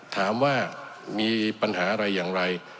ถามว่ามีปัญหาอะไรอย่างไร